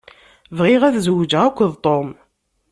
Bɣiɣ ad zewjeɣ akked Tom.